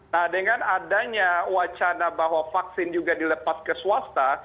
nah dengan adanya wacana bahwa vaksin juga dilepas ke swasta